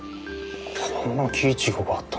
こんなキイチゴがあったなんて。